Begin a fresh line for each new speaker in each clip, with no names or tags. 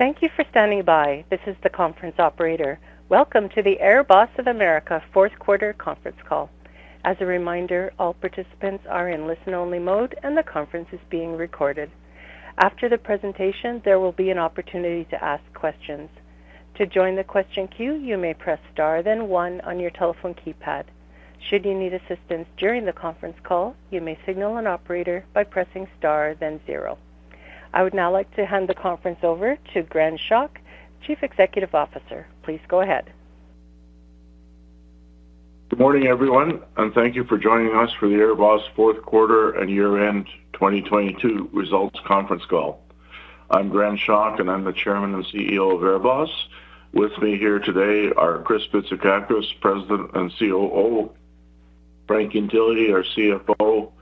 Thank you for standing by. This is the conference operator. Welcome to the AirBoss of America Fourth Quarter Conference Call. As a reminder, all participants are in listen-only mode and the conference is being recorded. After the presentation, there will be an opportunity to ask questions. To join the question queue, you may press Star, then One on your telephone keypad. Should you need assistance during the conference call, you may signal an operator by pressing star, then zero. I would now like to hand the conference over to Gren Schoch, Chief Executive Officer. Please go ahead.
Good morning, everyone, and thank you for joining us for the AirBoss fourth quarter and year-end 2022 results conference call. I'm Gren Schoch, and I'm the Chairman and CEO of AirBoss. With me here today are Chris Bitsakakis, President and COO, Frank Ientile, our CFO,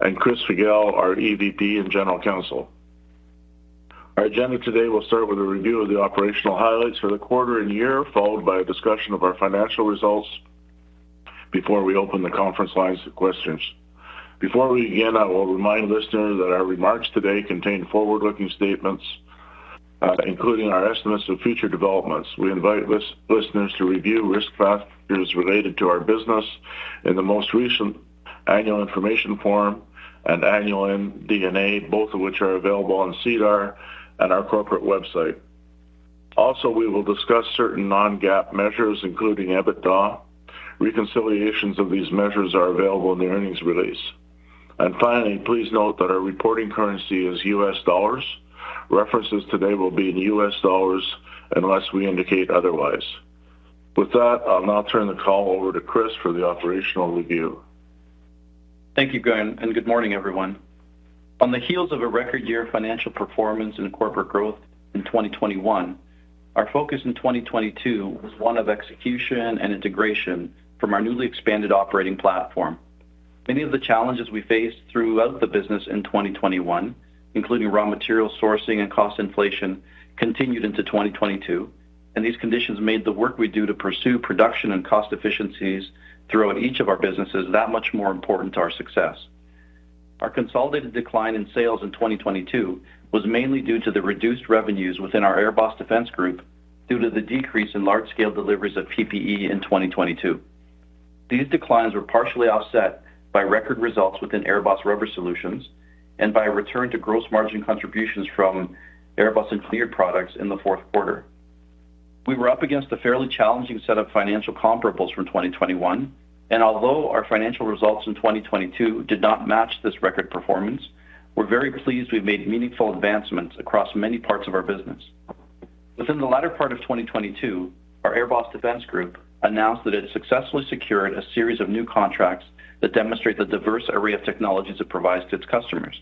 and Chris Figel, our EVP and General Counsel. Our agenda today will start with a review of the operational highlights for the quarter and year, followed by a discussion of our financial results before we open the conference lines to questions. Before we begin, I will remind listeners that our remarks today contain forward-looking statements, including our estimates of future developments. We invite listeners to review risk factors related to our business in the most recent annual information form and annual MD&A, both of which are available on SEDAR and our corporate website. Also, we will discuss certain non-GAAP measures, including EBITDA. Reconciliations of these measures are available in the earnings release. Finally, please note that our reporting currency is US dollars. References today will be in US dollars unless we indicate otherwise. With that, I'll now turn the call over to Chris for the operational review.
Thank you, Gren, good morning, everyone. On the heels of a record year financial performance and corporate growth in 2021, our focus in 2022 was one of execution and integration from our newly expanded operating platform. Many of the challenges we faced throughout the business in 2021, including raw material sourcing and cost inflation, continued into 2022, and these conditions made the work we do to pursue production and cost efficiencies throughout each of our businesses that much more important to our success. Our consolidated decline in sales in 2022 was mainly due to the reduced revenues within our AirBoss Defense Group due to the decrease in large-scale deliveries of PPE in 2022. These declines were partially offset by record results within AirBoss Rubber Solutions and by a return to gross margin contributions from AirBoss Engineered Products in the fourth quarter. We were up against a fairly challenging set of financial comparables from 2021, and although our financial results in 2022 did not match this record performance, we're very pleased we've made meaningful advancements across many parts of our business. Within the latter part of 2022, our AirBoss Defense Group announced that it successfully secured a series of new contracts that demonstrate the diverse array of technologies it provides to its customers.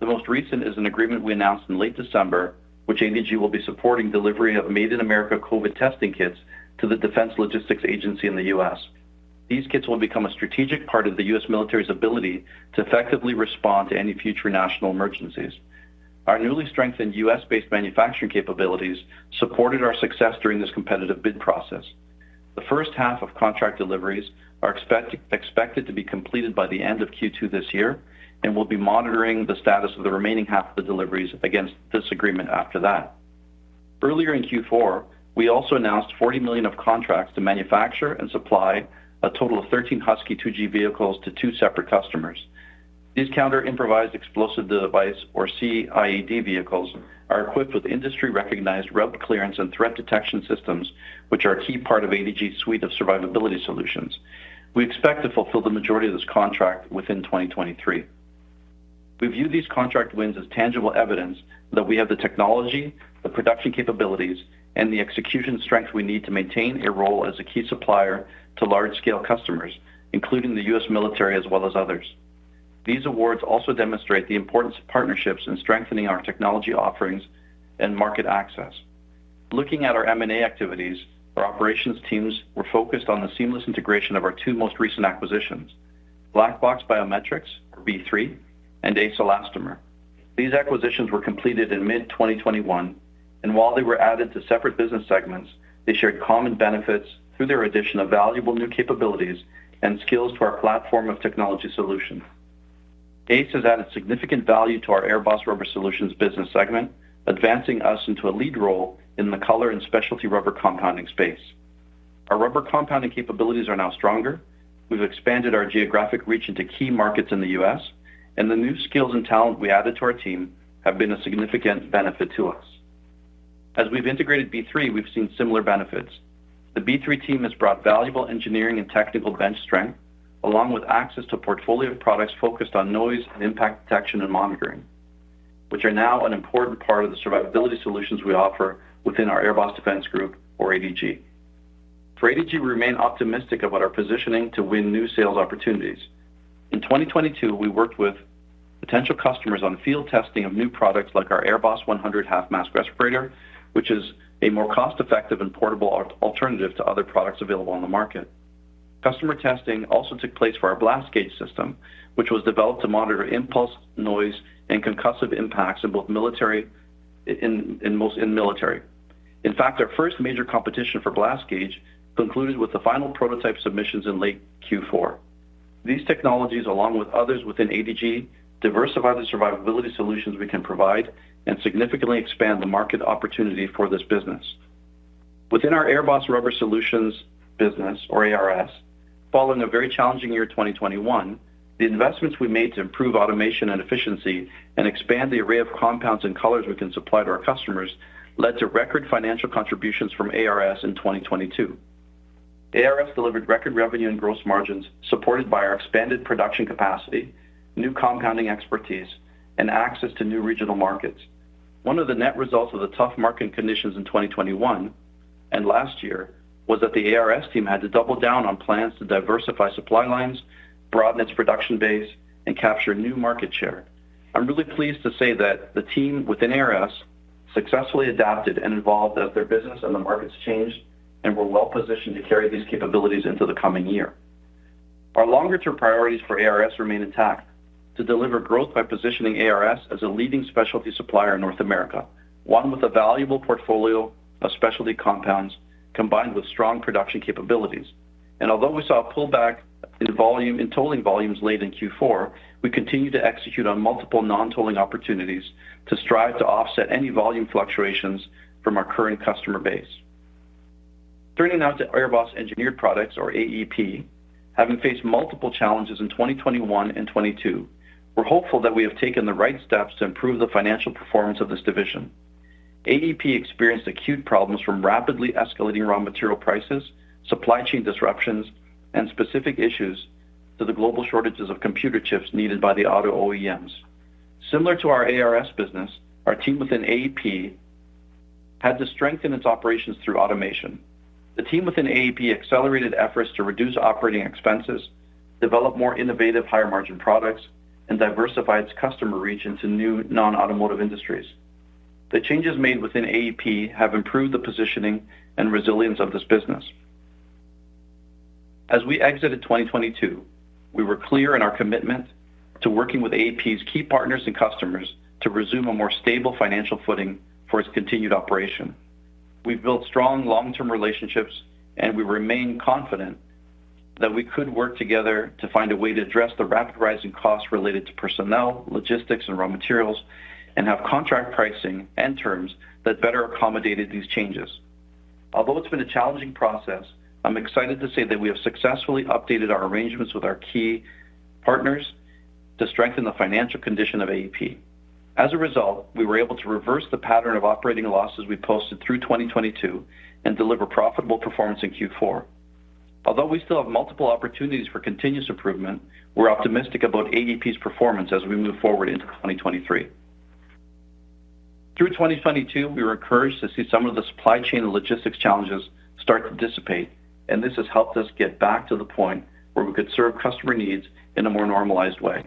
The most recent is an agreement we announced in late December, which ADG will be supporting delivery of Made in America COVID testing kits to the Defense Logistics Agency in the U.S. These kits will become a strategic part of the U.S. military's ability to effectively respond to any future national emergencies. Our newly strengthened US-based manufacturing capabilities supported our success during this competitive bid process. The first half of contract deliveries are expected to be completed by the end of Q2 this year, and we'll be monitoring the status of the remaining half of the deliveries against this agreement after that. Earlier in Q4, we also announced $40 million of contracts to manufacture and supply a total of 13 Husky 2G vehicles to two separate customers. These Counter-Improvised Explosive Device, or C-IED, vehicles are equipped with industry-recognized route clearance and threat detection systems, which are a key part of ADG's suite of survivability solutions. We expect to fulfill the majority of this contract within 2023. We view these contract wins as tangible evidence that we have the technology, the production capabilities, and the execution strength we need to maintain a role as a key supplier to large-scale customers, including the U.S. military as well as others. These awards also demonstrate the importance of partnerships in strengthening our technology offerings and market access. Looking at our M&A activities, our operations teams were focused on the seamless integration of our two most recent acquisitions, BlackBox Biometrics, or B3, and Ace Elastomer. These acquisitions were completed in mid-2021, and while they were added to separate business segments, they shared common benefits through their addition of valuable new capabilities and skills to our platform of technology solutions. Ace has added significant value to our AirBoss Rubber Solutions business segment, advancing us into a lead role in the color and specialty rubber compounding space. Our rubber compounding capabilities are now stronger. We've expanded our geographic reach into key markets in the U.S. The new skills and talent we added to our team have been a significant benefit to us. As we've integrated B3, we've seen similar benefits. The B3 team has brought valuable engineering and technical bench strength, along with access to a portfolio of products focused on noise and impact detection and monitoring, which are now an important part of the survivability solutions we offer within our AirBoss Defense Group, or ADG. For ADG, we remain optimistic about our positioning to win new sales opportunities. In 2022, we worked with potential customers on field testing of new products like our AirBoss 100 half-mask respirator, which is a more cost-effective and portable alternative to other products available on the market. Customer testing also took place for our Blast Gauge system, which was developed to monitor impulse, noise, and concussive impacts in most in military. Our first major competition for Blast Gauge concluded with the final prototype submissions in late Q4. These technologies, along with others within ADG, diversify the survivability solutions we can provide and significantly expand the market opportunity for this business. Within our AirBoss Rubber Solutions business, or ARS, following a very challenging year 2021, the investments we made to improve automation and efficiency and expand the array of compounds and colors we can supply to our customers led to record financial contributions from ARS in 2022. ARS delivered record revenue and gross margins supported by our expanded production capacity, new compounding expertise, and access to new regional markets. One of the net results of the tough market conditions in 2021 and last year was that the ARS team had to double down on plans to diversify supply lines, broaden its production base, and capture new market share. I'm really pleased to say that the team within ARS successfully adapted and evolved as their business and the markets changed and were well-positioned to carry these capabilities into the coming year. Our longer-term priorities for ARS remain intact to deliver growth by positioning ARS as a leading specialty supplier in North America, one with a valuable portfolio of specialty compounds combined with strong production capabilities. Although we saw a pullback in tolling volumes late in Q4, we continue to execute on multiple non-tolling opportunities to strive to offset any volume fluctuations from our current customer base. Turning now to AirBoss Engineered Products, or AEP, having faced multiple challenges in 2021 and 2022, we're hopeful that we have taken the right steps to improve the financial performance of this division. AEP experienced acute problems from rapidly escalating raw material prices, supply chain disruptions, and specific issues to the global shortages of computer chips needed by the auto OEMs. Similar to our ARS business, our team within AEP had to strengthen its operations through automation. The team within AEP accelerated efforts to reduce operating expenses, develop more innovative, higher-margin products, and diversify its customer reach into new non-automotive industries. The changes made within AEP have improved the positioning and resilience of this business. As we exited 2022, we were clear in our commitment to working with AEP's key partners and customers to resume a more stable financial footing for its continued operation. We've built strong long-term relationships, and we remain confident that we could work together to find a way to address the rapid rise in costs related to personnel, logistics, and raw materials, and have contract pricing and terms that better accommodated these changes. Although it's been a challenging process, I'm excited to say that we have successfully updated our arrangements with our key partners to strengthen the financial condition of AEP. As a result, we were able to reverse the pattern of operating losses we posted through 2022 and deliver profitable performance in Q4. Although we still have multiple opportunities for continuous improvement, we're optimistic about AEP's performance as we move forward into 2023. Through 2022, we were encouraged to see some of the supply chain and logistics challenges start to dissipate, this has helped us get back to the point where we could serve customer needs in a more normalized way.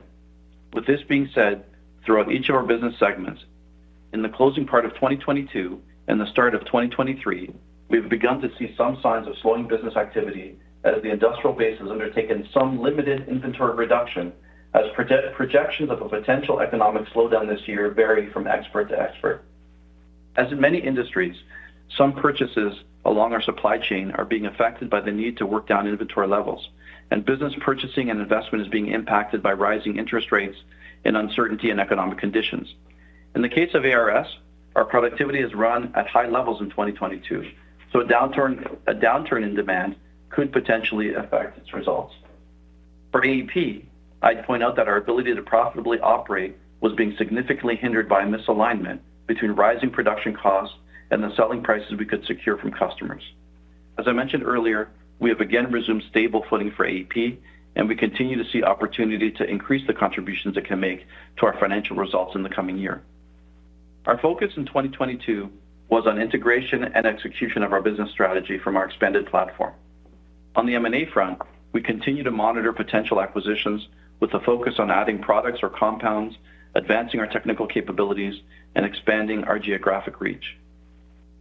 With this being said, throughout each of our business segments, in the closing part of 2022 and the start of 2023, we've begun to see some signs of slowing business activity as the industrial base has undertaken some limited inventory reduction as projections of a potential economic slowdown this year vary from expert to expert. As in many industries, some purchases along our supply chain are being affected by the need to work down inventory levels, business purchasing and investment is being impacted by rising interest rates and uncertainty in economic conditions. In the case of ARS, our productivity has run at high levels in 2022, so a downturn in demand could potentially affect its results. For AEP, I'd point out that our ability to profitably operate was being significantly hindered by a misalignment between rising production costs and the selling prices we could secure from customers. As I mentioned earlier, we have again resumed stable footing for AEP, we continue to see opportunity to increase the contributions it can make to our financial results in the coming year. Our focus in 2022 was on integration and execution of our business strategy from our expanded platform. On the M&A front, we continue to monitor potential acquisitions with a focus on adding products or compounds, advancing our technical capabilities, and expanding our geographic reach.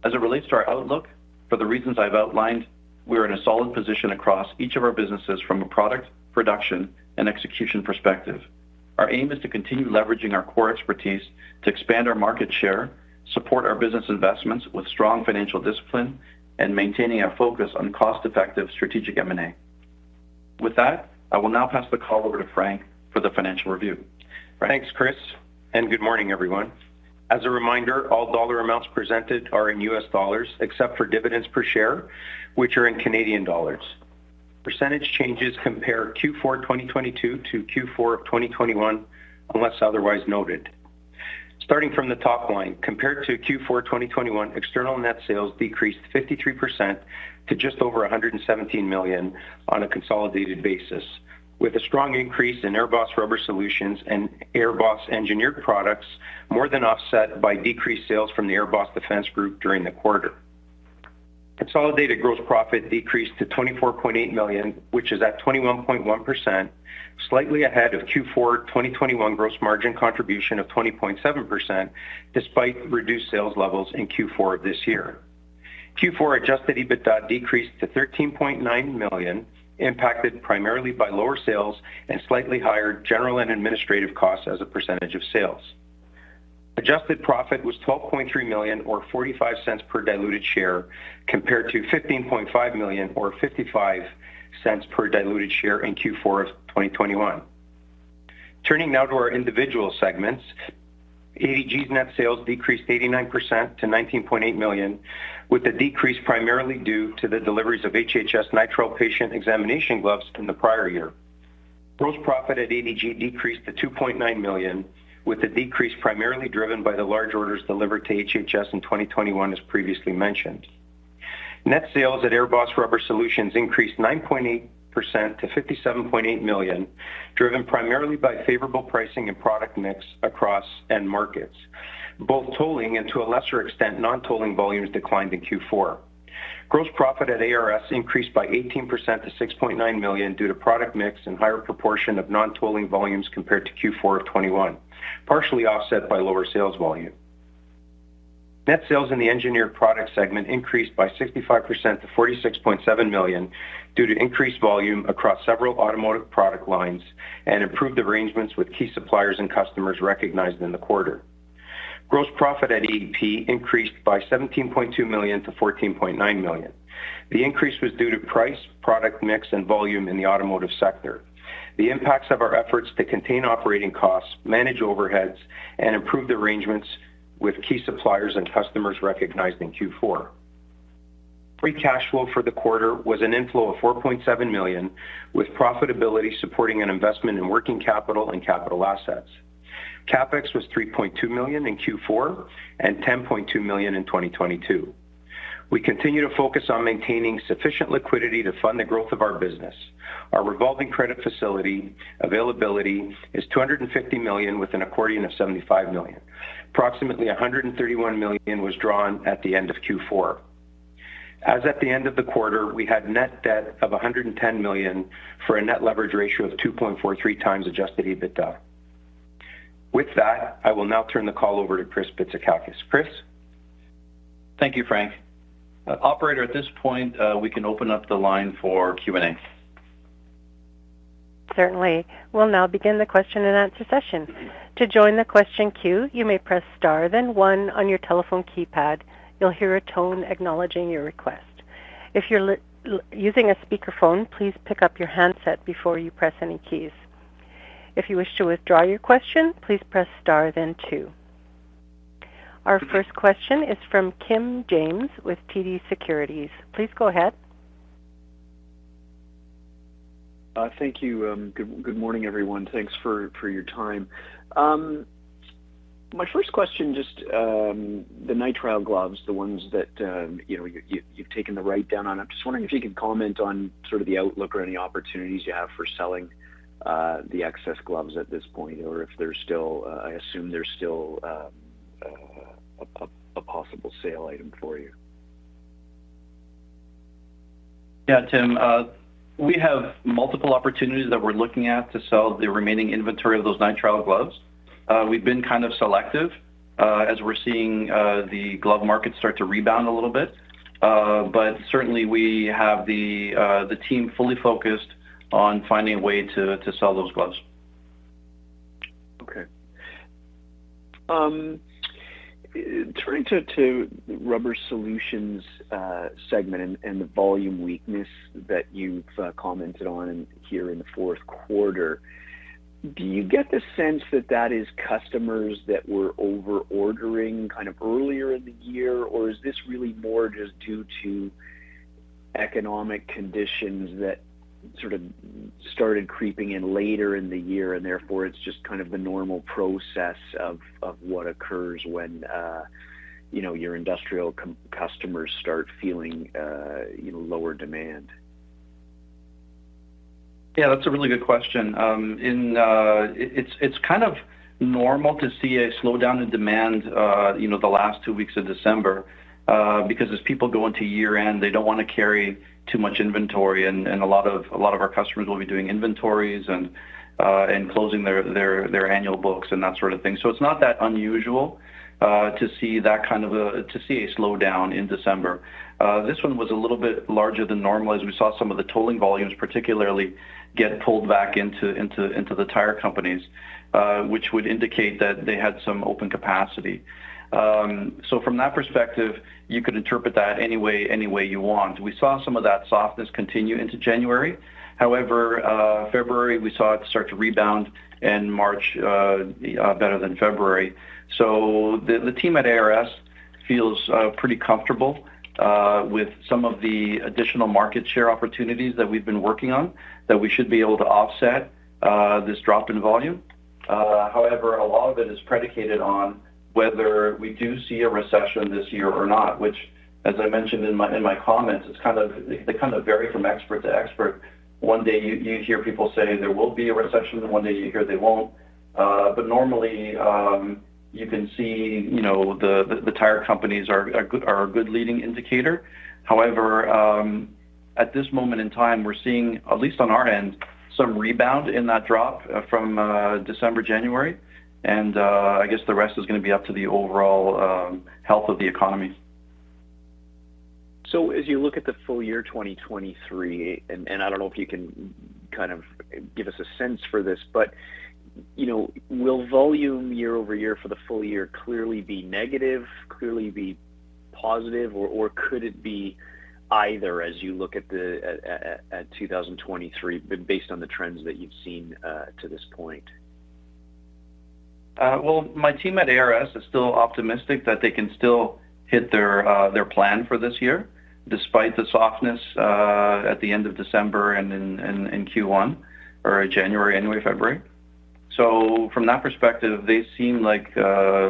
As it relates to our outlook, for the reasons I've outlined, we are in a solid position across each of our businesses from a product, production, and execution perspective. Our aim is to continue leveraging our core expertise to expand our market share, support our business investments with strong financial discipline, and maintaining a focus on cost-effective strategic M&A. With that, I will now pass the call over to Frank for the financial review. Frank?
Thanks, Chris. Good morning, everyone. As a reminder, all dollar amounts presented are in US dollars, except for dividends per share, which are in Canadian dollars. Percentage changes compare Q4 2022 to Q4 of 2021, unless otherwise noted. Starting from the top line, compared to Q4 2021, external net sales decreased 53% to just over $117 million on a consolidated basis, with a strong increase in AirBoss Rubber Solutions and AirBoss Engineered Products more than offset by decreased sales from the AirBoss Defense Group during the quarter. Consolidated gross profit decreased to $24.8 million, which is at 21.1%, slightly ahead of Q4 2021 gross margin contribution of 20.7%, despite reduced sales levels in Q4 of this year. Q4 Adjusted EBITDA decreased to $13.9 million, impacted primarily by lower sales and slightly higher general and administrative costs as a % of sales. Adjusted profit was $12.3 million or $0.45 per diluted share compared to $15.5 million or $0.55 per diluted share in Q4 of 2021. Turning now to our individual segments. ADG's net sales decreased 89% to $19.8 million, with the decrease primarily due to the deliveries of HHS nitrile patient examination gloves in the prior year. Gross profit at ADG decreased to $2.9 million, with the decrease primarily driven by the large orders delivered to HHS in 2021, as previously mentioned. Net sales at AirBoss Rubber Solutions increased 9.8% to $57.8 million, driven primarily by favorable pricing and product mix across end markets. Both tolling and to a lesser extent, non-tolling volumes declined in Q4. Gross profit at ARS increased by 18% to $6.9 million due to product mix and higher proportion of non-tolling volumes compared to Q4 of 2021, partially offset by lower sales volume. Net sales in the Engineered Products segment increased by 65% to $46.7 million due to increased volume across several automotive product lines and improved arrangements with key suppliers and customers recognized in the quarter. Gross profit at AEP increased by $17.2 million to $14.9 million. The increase was due to price, product mix, and volume in the automotive sector. The impacts of our efforts to contain operating costs, manage overheads, and improve the arrangements with key suppliers and customers recognized in Q4. Free cash flow for the quarter was an inflow of $4.7 million, with profitability supporting an investment in working capital and capital assets. CapEx was $3.2 million in Q4 and $10.2 million in 2022. We continue to focus on maintaining sufficient liquidity to fund the growth of our business. Our revolving credit facility availability is $250 million with an accordion of $75 million. Approximately $131 million was drawn at the end of Q4. As at the end of the quarter, we had net debt of $110 million for a net leverage ratio of 2.43x Adjusted EBITDA. With that, I will now turn the call over to Chris Bitsakakis. Chris.
Thank you, Frank. Operator, at this point, we can open up the line for Q&A.
Certainly. We'll now begin the question and answer session. To join the question queue, you may press star then one on your telephone keypad. You'll hear a tone acknowledging your request. If you're using a speakerphone, please pick up your handset before you press any keys. If you wish to withdraw your question, please press star then two. Our first question is from Tim James with TD Securities. Please go ahead.
Thank you. Good morning, everyone. Thanks for your time. My first question, just, the nitrile gloves, the ones that, you know, you've taken the write down on. I'm just wondering if you could comment on sort of the outlook or any opportunities you have for selling the excess gloves at this point, or if there's still I assume they're still a possible sale item for you.
Yeah, Tim, we have multiple opportunities that we're looking at to sell the remaining inventory of those nitrile gloves. We've been kind of selective, as we're seeing, the glove market start to rebound a little bit. Certainly we have the team fully focused on finding a way to sell those gloves.
Turning to Rubber Solutions segment and the volume weakness that you've commented on here in the fourth quarter, do you get the sense that that is customers that were over-ordering kind of earlier in the year, or is this really more just due to economic conditions that sort of started creeping in later in the year, and therefore it's just kind of the normal process of what occurs when, you know, your industrial customers start feeling, you know, lower demand?
Yeah, that's a really good question. It's kind of normal to see a slowdown in demand, you know, the last two weeks of December, because as people go into year-end, they don't wanna carry too much inventory, and a lot of our customers will be doing inventories and closing their annual books and that sort of thing. It's not that unusual to see that kind of a slowdown in December. This one was a little bit larger than normal as we saw some of the tolling volumes particularly get pulled back into the tire companies, which would indicate that they had some open capacity. From that perspective, you could interpret that any way you want. We saw some of that softness continue into January. However, February, we saw it start to rebound, and March, better than February. The team at ARS feels pretty comfortable with some of the additional market share opportunities that we've been working on, that we should be able to offset this drop in volume. However, a lot of it is predicated on whether we do see a recession this year or not, which, as I mentioned in my comments, is kind of they kind of vary from expert to expert. One day you hear people saying there will be a recession, then one day you hear they won't. But normally, you can see, you know, the tire companies are a good leading indicator. At this moment in time, we're seeing, at least on our end, some rebound in that drop, from December, January, and I guess the rest is gonna be up to the overall health of the economy.
As you look at the full year 2023, and I don't know if you can kind of give us a sense for this, but, you know, will volume year-over-year for the full year clearly be negative, clearly be positive, or could it be either as you look at 2023 based on the trends that you've seen to this point?
Well, my team at ARS is still optimistic that they can still hit their plan for this year despite the softness at the end of December and in Q1 or January, anyway, February. From that perspective, they seem like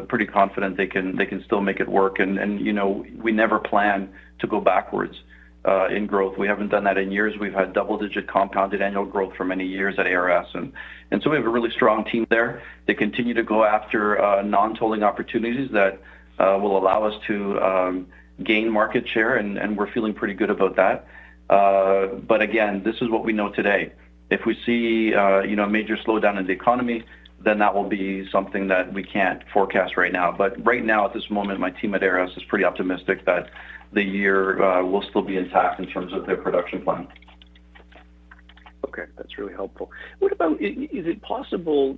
pretty confident they can still make it work. You know, we never plan to go backwards in growth. We haven't done that in years. We've had double-digit compounded annual growth for many years at ARS. We have a really strong team there. They continue to go after non-tolling opportunities that will allow us to gain market share, and we're feeling pretty good about that. But again, this is what we know today. If we see, you know, a major slowdown in the economy, then that will be something that we can't forecast right now. Right now, at this moment, my team at ARS is pretty optimistic that the year will still be intact in terms of their production plan.
Okay, that's really helpful. What about, is it possible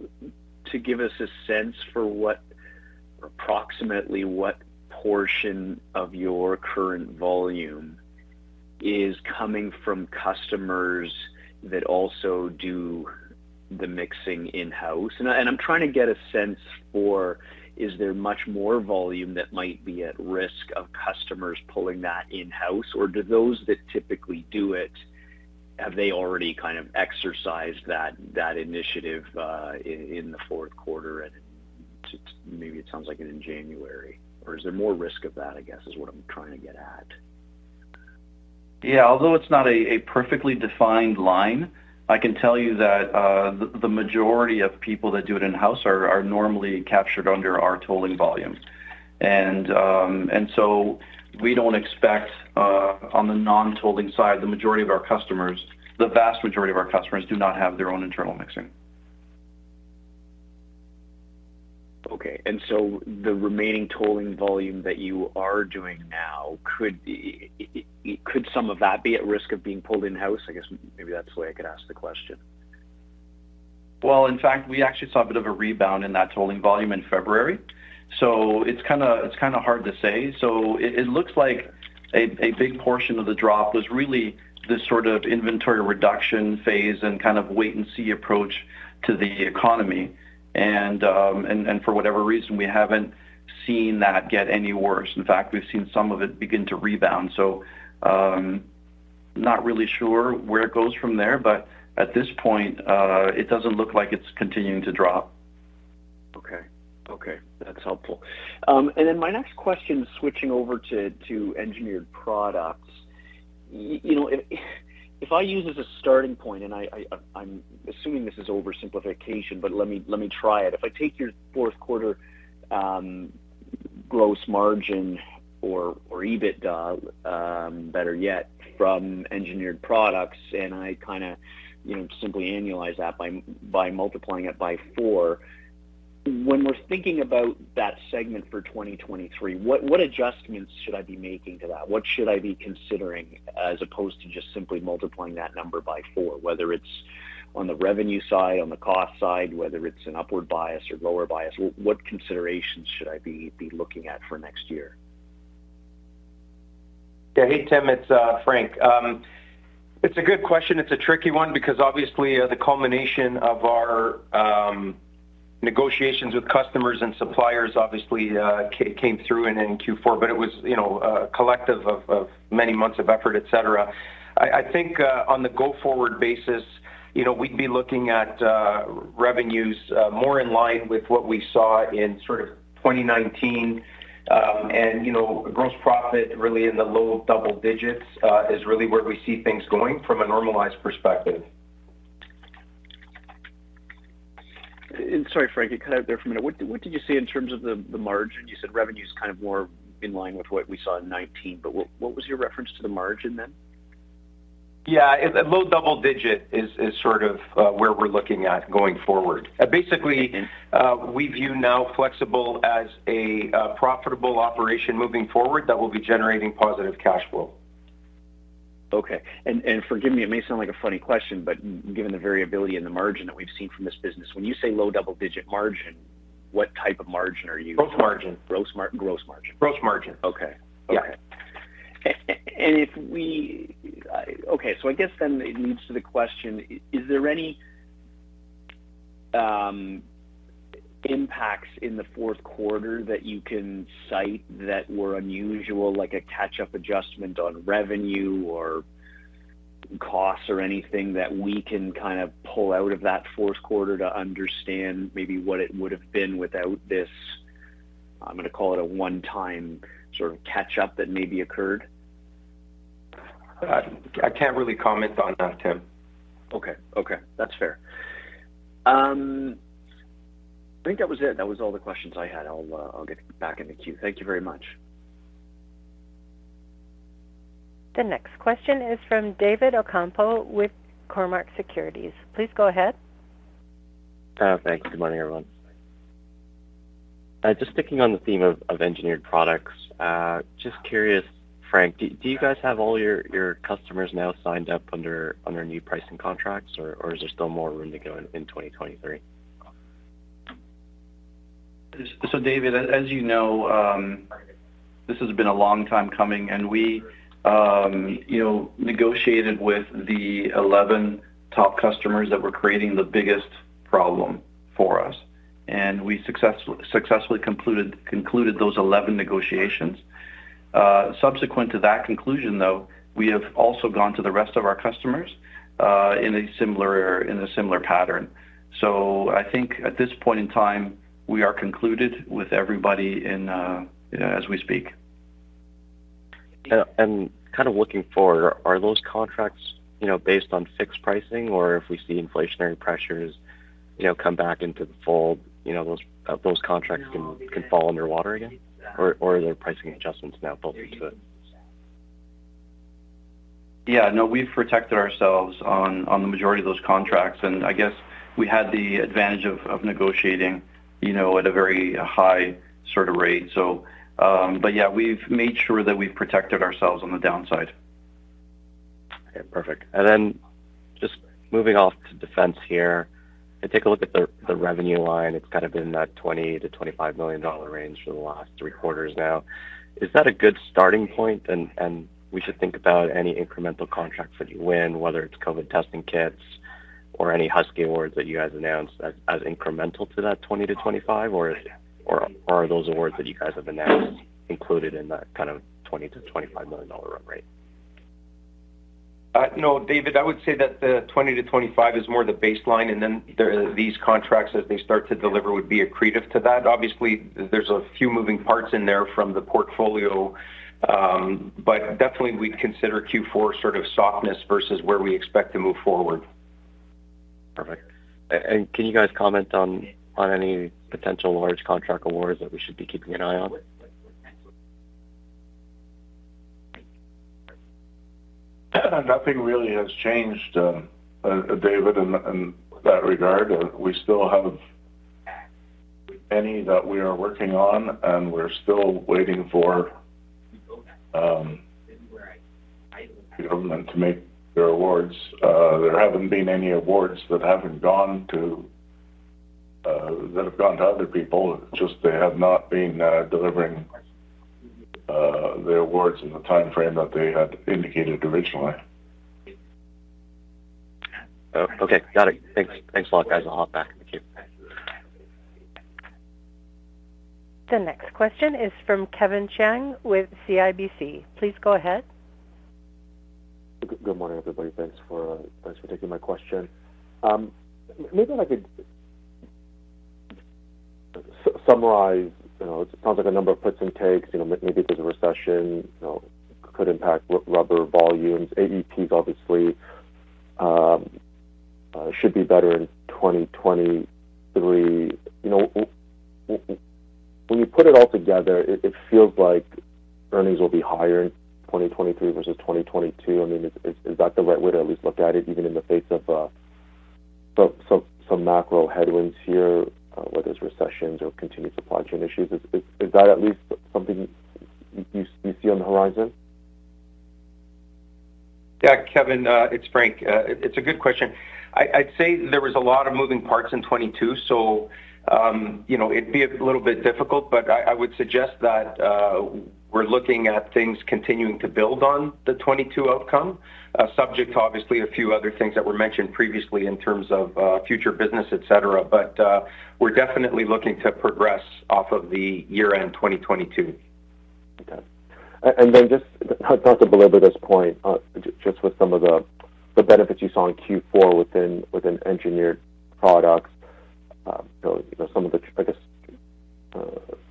to give us a sense for what approximately what portion of your current volume is coming from customers that also do the mixing in-house? I'm trying to get a sense for is there much more volume that might be at risk of customers pulling that in-house, or do those that typically do it, have they already kind of exercised that initiative in the fourth quarter and to maybe it sounds like in January? Is there more risk of that, I guess, is what I'm trying to get at?
Yeah. Although it's not a perfectly defined line, I can tell you that, the majority of people that do it in-house are normally captured under our tolling volume. We don't expect, on the non-tolling side, the majority of our customers. The vast majority of our customers do not have their own internal mixing.
Okay. The remaining tolling volume that you are doing now, could some of that be at risk of being pulled in-house? I guess maybe that's the way I could ask the question.
Well, in fact, we actually saw a bit of a rebound in that tolling volume in February, so it's kinda hard to say. It looks like a big portion of the drop was really this sort of inventory reduction phase and kind of wait and see approach to the economy. For whatever reason, we haven't seen that get any worse. In fact, we've seen some of it begin to rebound. Not really sure where it goes from there, but at this point, it doesn't look like it's continuing to drop.
Okay. Okay, that's helpful. My next question, switching over to engineered products. You know, if I use as a starting point, and I'm assuming this is oversimplification, but let me try it. If I take your fourth quarter gross margin or EBITDA, better yet, from engineered products, and I kinda, you know, simply annualize that by multiplying it by 4, when we're thinking about that segment for 2023, what adjustments should I be making to that? What should I be considering as opposed to just simply multiplying that number by 4, whether it's on the revenue side, on the cost side, whether it's an upward bias or lower bias? What considerations should I be looking at for next year?
Hey, Tim, it's Frank. It's a good question. It's a tricky one because obviously the culmination of our negotiations with customers and suppliers obviously came through in Q4, but it was, you know, collective of many months of effort, et cetera. I think on the go-forward basis, you know, we'd be looking at revenues more in line with what we saw in sort of 2019. You know, gross profit really in the low double digits is really where we see things going from a normalized perspective.
Sorry, Frank, you cut out there for a minute. What did you say in terms of the margin? You said revenue is kind of more in line with what we saw in 2019. What was your reference to the margin then?
Yeah. Low double digit is sort of where we're looking at going forward. Basically, we view now Flexible Products as a profitable operation moving forward that will be generating positive cash flow.
Okay. Forgive me, it may sound like a funny question, but given the variability in the margin that we've seen from this business, when you say low double-digit margin, what type of margin?
Gross margin.
Gross margin.
Gross margin.
Okay. Okay.
Yeah.
Okay, I guess it leads to the question, is there any impacts in the fourth quarter that you can cite that were unusual, like a catch-up adjustment on revenue or costs or anything that we can kind of pull out of that fourth quarter to understand maybe what it would have been without this, I'm gonna call it a one-time sort of catch-up that maybe occurred?
I can't really comment on that, Tim.
Okay. Okay, that's fair. I think that was it. That was all the questions I had. I'll get back in the queue. Thank you very much.
The next question is from David Ocampo with Cormark Securities. Please go ahead.
Thank you. Good morning, everyone. Just sticking on the theme of engineered products. Just curious, Frank, do you guys have all your customers now signed up under new pricing contracts, or is there still more room to go in 2023?
David, as you know, this has been a long time coming, and we, you know, negotiated with the 11 top customers that were creating the biggest problem for us, and we successfully concluded those 11 negotiations. Subsequent to that conclusion, though, we have also gone to the rest of our customers in a similar pattern. I think at this point in time, we are concluded with everybody in as we speak.
Kind of looking forward, are those contracts, you know, based on fixed pricing or if we see inflationary pressures, you know, come back into the fold, you know, those contracts can fall under water again, or are there pricing adjustments now built into it?
Yeah, no, we've protected ourselves on the majority of those contracts. I guess we had the advantage of negotiating, you know, at a very high sort of rate. Yeah, we've made sure that we've protected ourselves on the downside.
Okay, perfect. Then just moving off to Defense here and take a look at the revenue line. It's kind of been that $20 million-$25 million range for the last three quarters now. Is that a good starting point? And we should think about any incremental contracts that you win, whether it's COVID testing kits or any Husky awards that you guys announced as incremental to that $20 million-$25 million, or are those awards that you guys have announced included in that kind of $20 million-$25 million run rate?
No, David, I would say that the $20-$25 is more the baseline. These contracts as they start to deliver would be accretive to that. There's a few moving parts in there from the portfolio. Definitely we'd consider Q4 sort of softness versus where we expect to move forward.
Perfect. Can you guys comment on any potential large contract awards that we should be keeping an eye on?
Nothing really has changed, David, in that regard. We still have any that we are working on, and we're still waiting for the government to make their awards. There haven't been any awards that haven't gone to that have gone to other people. Just they have not been delivering their awards in the timeframe that they had indicated originally.
Okay. Got it. Thanks. Thanks a lot, guys. I'll hop back. Thank you.
The next question is from Kevin Chiang with CIBC. Please go ahead.
Good morning, everybody. Thanks for taking my question. Maybe if I could summarize. You know, it sounds like a number of puts and takes, you know, maybe because of recession, you know, could impact rubber volumes. AEP obviously should be better in 2023. You know, when you put it all together, it feels like earnings will be higher in 2023 versus 2022. I mean, is that the right way to at least look at it, even in the face of some macro headwinds here, whether it's recessions or continued supply chain issues? Is that at least something you see on the horizon?
Yeah, Kevin, it's Frank. It's a good question. I'd say there was a lot of moving parts in 2022. You know, it'd be a little bit difficult. I would suggest that we're looking at things continuing to build on the 2022 outcome, subject to obviously a few other things that were mentioned previously in terms of future business, et cetera. We're definitely looking to progress off of the year-end 2022.
Okay. And then just perhaps a little bit at this point, just with some of the benefits you saw in Q4 within engineered products, you know, some of the, I guess,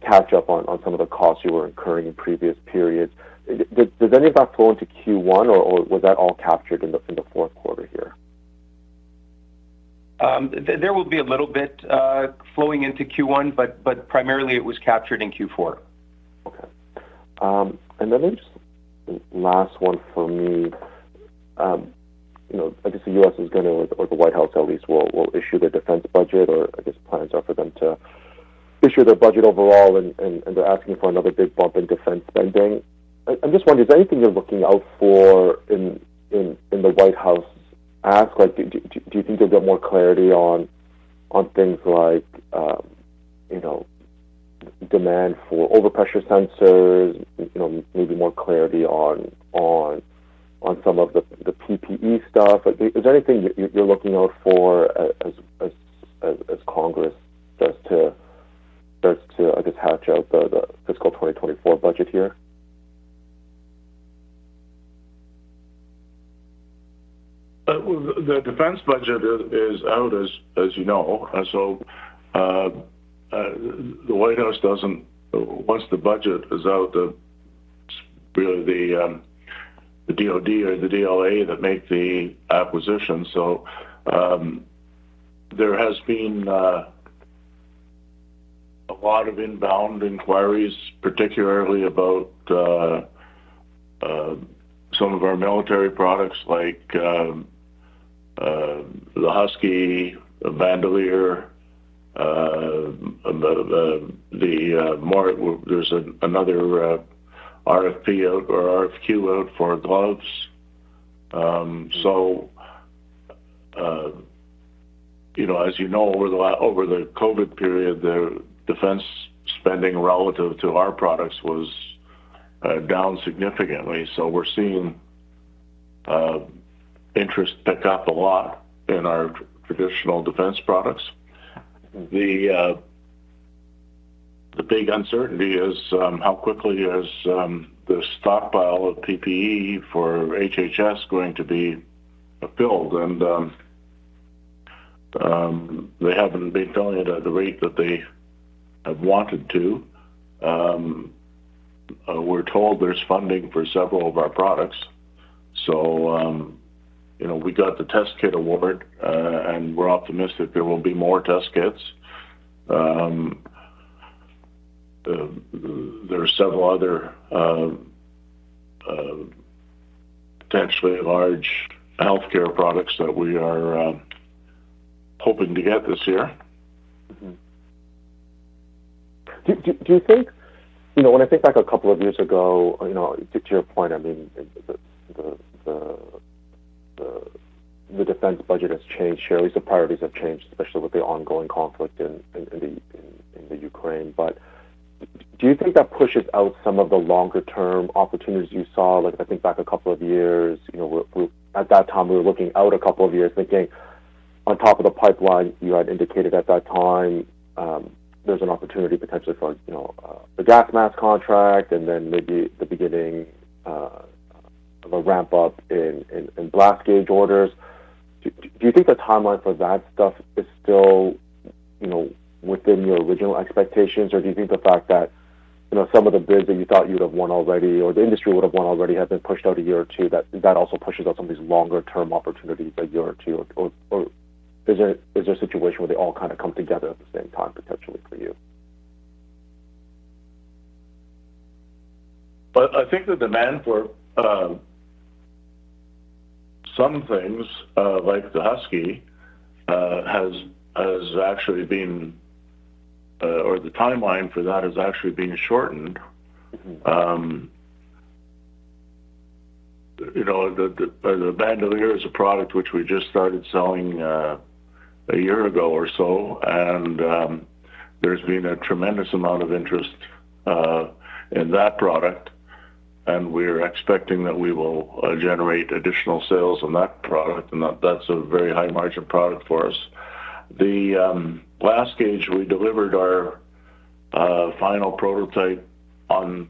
catch up on some of the costs you were incurring in previous periods. Does any of that flow into Q1 or was that all captured in the fourth quarter here?
There will be a little bit flowing into Q1, but primarily it was captured in Q4.
Okay. Then just last one for me. You know, I guess the U.S. is gonna or the White House at least will issue their defense budget, or I guess plans are for them to issue their budget overall, and they're asking for another big bump in defense spending. I'm just wondering, is there anything you're looking out for in the White House ask? Like, do you think they'll get more clarity on things like, you know, demand for overpressure sensors, you know, maybe more clarity on some of the PPE stuff? Is there anything you're looking out for as Congress starts to, I guess, hash out the fiscal 2024 budget here?
Well, the defense budget is out, as you know. Once the budget is out, it's really the DoD or the DLA that make the acquisition. There has been a lot of inbound inquiries, particularly about some of our military products like the Husky, the Bandolier, there's another RFP out or RFQ out for gloves. You know, over the COVID period, the defense spending relative to our products was down significantly. We're seeing interest pick up a lot in our traditional defense products. The big uncertainty is how quickly is the stockpile of PPE for HHS going to be filled. They haven't been filling it at the rate that they have wanted to. We're told there's funding for several of our products. You know, we got the test kit award, and we're optimistic there will be more test kits. There are several other, potentially large healthcare products that we are hoping to get this year.
Mm-hmm. Do you think, you know, when I think back a couple of years ago, you know, to your point, I mean, the defense budget has changed. Sure, at least the priorities have changed, especially with the ongoing conflict in the Ukraine. Do you think that pushes out some of the longer-term opportunities you saw? Like, I think back a couple of years, you know, at that time, we were looking out a couple of years thinking on top of the pipeline you had indicated at that time, there's an opportunity potentially for, you know, the Gas Mask Contract and then maybe the beginning of a ramp up in Blast Gauge orders. Do you think the timeline for that stuff is still, you know, within your original expectations? Do you think the fact that, you know, some of the bids that you thought you'd have won already or the industry would have won already have been pushed out a year or two, that that also pushes out some of these longer-term opportunities a year or two? Is there a situation where they all kind of come together at the same time potentially for you?
I think the demand for some things, like the Husky, has actually been, or the timeline for that has actually been shortened.
Mm-hmm.
you know, the, the Bandolier is a product which we just started selling a year ago or so, and there's been a tremendous amount of interest in that product, and we're expecting that we will generate additional sales on that product, and that's a very high margin product for us. The Blast Gauge, we delivered our final prototype on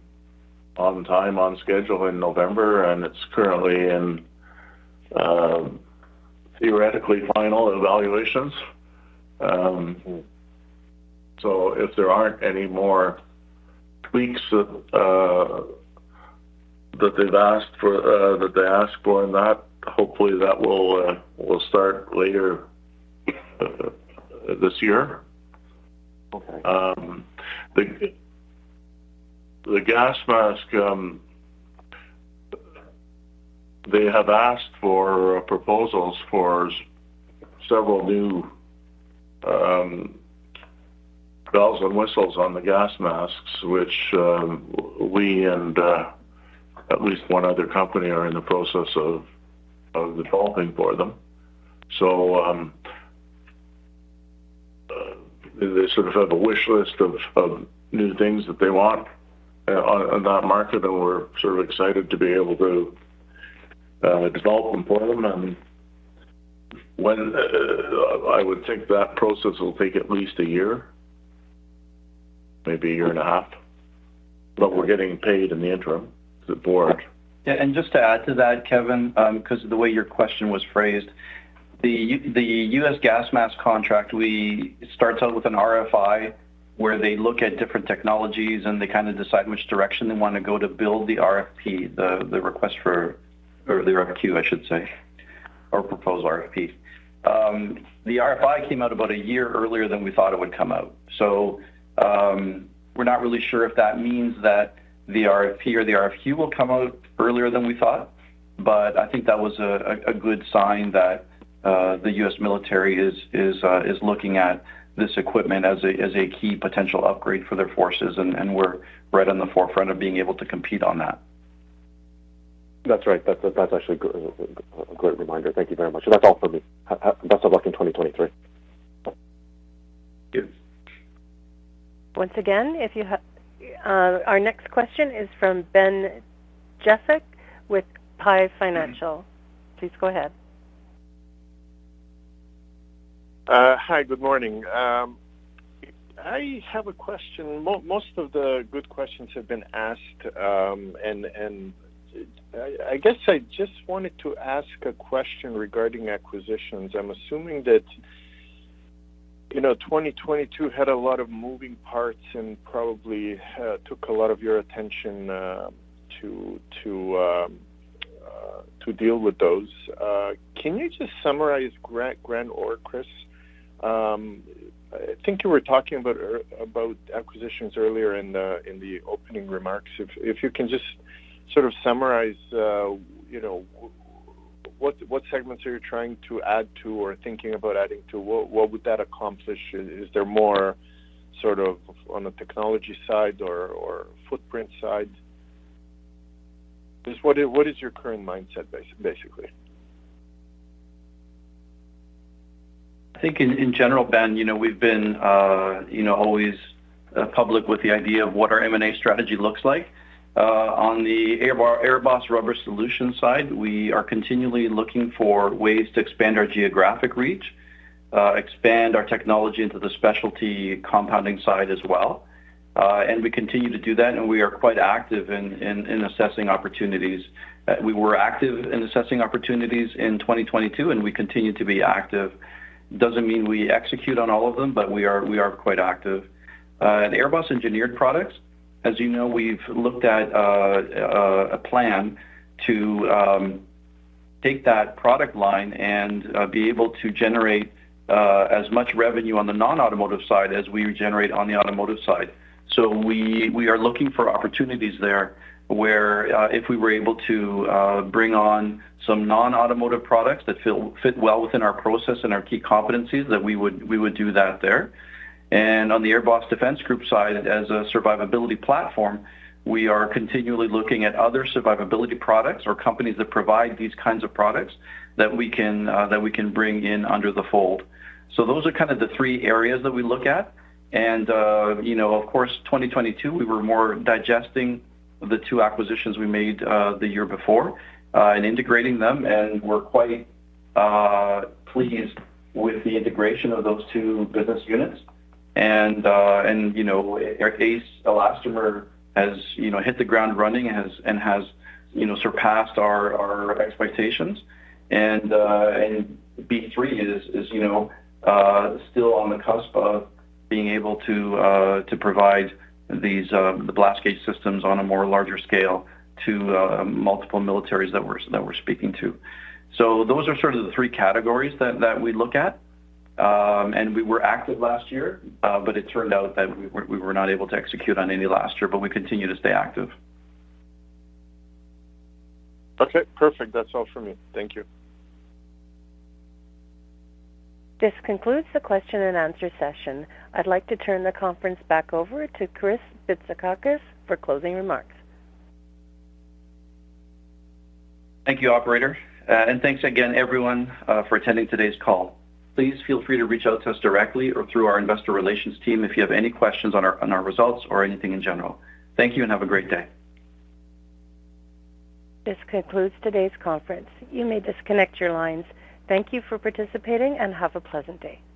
time, on schedule in November, and it's currently in theoretically final evaluations. If there aren't any more tweaks that they've asked for, that they ask for in that, hopefully that will start later this year.
Okay.
The gas mask, they have asked for proposals for several new bells and whistles on the gas masks, which we and at least one other company are in the process of developing for them. They sort of have a wish list of new things that they want on that market, and we're sort of excited to be able to develop them for them. When I would think that process will take at least a year, maybe a year and a half, but we're getting paid in the interim to board.
Yeah. Just to add to that, Kevin, because of the way your question was phrased, the U.S. Gas Mask contract, we start out with an RFI where they look at different technologies, and they kinda decide which direction they wanna go to build the RFP, the request for or the RFQ, I should say, or proposed RFP. The RFI came out about a year earlier than we thought it would come out. We're not really sure if that means that the RFP or the RFQ will come out earlier than we thought. I think that was a good sign that the U.S. military is looking at this equipment as a key potential upgrade for their forces, and we're right on the forefront of being able to compete on that.
That's right. That's, that's actually a great reminder. Thank you very much. That's all for me. Best of luck in 2023.
Yes.
Once again, our next question is from Ben Jekic with PI Financial. Please go ahead.
Hi, good morning. I have a question. Most of the good questions have been asked, and I guess I just wanted to ask a question regarding acquisitions. I'm assuming that, you know, 2022 had a lot of moving parts and probably took a lot of your attention to deal with those. Can you just summarize Gren or Chris, I think you were talking about acquisitions earlier in the opening remarks. If you can just sort of summarize, you know, what segments are you trying to add to or thinking about adding to? What would that accomplish? Is there more sort of on the technology side or footprint side? Just what is your current mindset basically?
I think in general, Ben, you know, we've been, you know, always public with the idea of what our M&A strategy looks like. On the AirBoss Rubber Solutions side, we are continually looking for ways to expand our geographic reach, expand our technology into the specialty compounding side as well. We continue to do that, and we are quite active in assessing opportunities. We were active in assessing opportunities in 2022, and we continue to be active. Doesn't mean we execute on all of them, but we are quite active. At AirBoss Engineered Products, as you know, we've looked at a plan to take that product line and be able to generate as much revenue on the non-automotive side as we generate on the automotive side. We are looking for opportunities there where, if we were able to bring on some non-automotive products that fit well within our process and our key competencies, that we would do that there. On the AirBoss Defense Group side, as a survivability platform, we are continually looking at other survivability products or companies that provide these kinds of products that we can bring in under the fold. Those are kind of the three areas that we look at. You know, of course, 2022, we were more digesting the two acquisitions we made the year before and integrating them, and we're quite pleased with the integration of those two business units. you know, Ace Elastomer has, you know, hit the ground running and has, you know, surpassed our expectations. B3 is, you know, still on the cusp of being able to provide these the Blast Gauge systems on a more larger scale to multiple militaries that we're, that we're speaking to. Those are sort of the three categories that we look at. We were active last year, but it turned out that we were not able to execute on any last year, but we continue to stay active.
Okay, perfect. That's all for me. Thank you.
This concludes the question and answer session. I'd like to turn the conference back over to Chris Bitsakakis for closing remarks.
Thank you, operator. Thanks again, everyone, for attending today's call. Please feel free to reach out to us directly or through our investor relations team if you have any questions on our results or anything in general. Thank you, have a great day.
This concludes today's conference. You may disconnect your lines. Thank you for participating, and have a pleasant day.